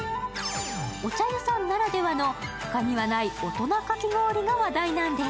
お茶屋さんならではのほかにはない大人かき氷が話題なんです。